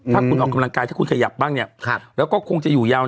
ถูกต้อง